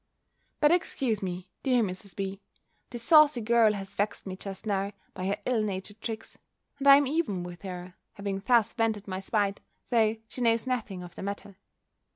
But excuse me, dear Mrs. B.; this saucy girl has vexed me just now, by her ill natured tricks; and I am even with her, having thus vented my spite, though she knows nothing of the matter.